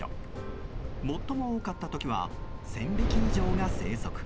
最も多かった時は１０００匹以上が生息。